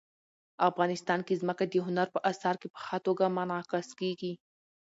افغانستان کې ځمکه د هنر په اثار کې په ښه توګه منعکس کېږي.